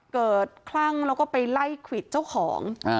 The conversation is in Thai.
คลั่งแล้วก็ไปไล่ควิดเจ้าของ